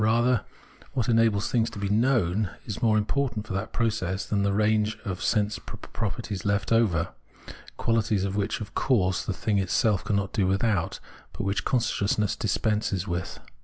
Rather, what enables things to be known is more im portant for that process than the range of sense pro perties still left over, qualities which, of course, the thing itself cannot do without, but which consciousness dispenses with.